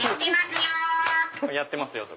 やってますよ！